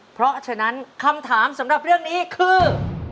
เพราะฉะนั้นคำถามสำหรับเรื่องนี้คือ